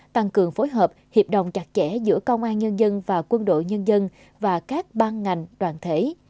tăng cường phối hợp hiệp đồng chặt chẽ giữa công an nhân dân và quân đội nhân dân và các ban ngành đoàn thể